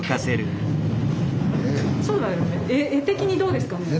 絵的にどうですかね？